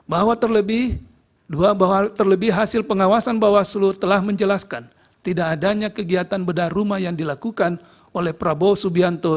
bahwa terlebih hasil pengawasan bawaslu telah menjelaskan tidak adanya kegiatan bedah rumah yang dilakukan oleh prabowo subianto